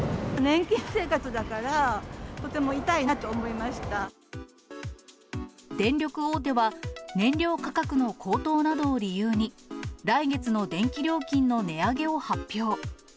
年金生活だから、とても痛いなと電力大手は、燃料価格の高騰などを理由に、来月の電気料金の値上げを発表。